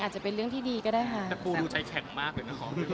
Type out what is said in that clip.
อาจจะเป็นเรื่องที่ดีก็ได้ค่ะค่ะลักษมมี่แต่ปูรู้ใจแกก่มากเลยนะครับ